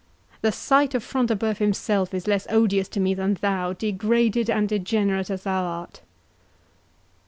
—The sight of Front de Bœuf himself is less odious to me than thou, degraded and degenerate as thou art."